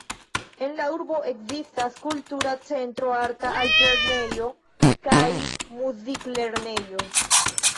En la urbo ekzistas kultura centro, arta altlernejo kaj muziklernejo.